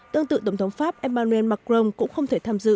tương tự tổng thống pháp emmanuel macron cũng không thể tham dự